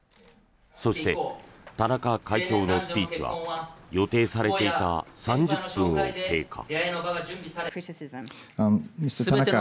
そして、田中会長のスピーチは予定されていた３０分を経過。